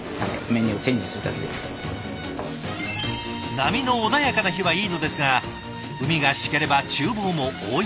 波の穏やかな日はいいのですが海がシケればちゅう房も大揺れ。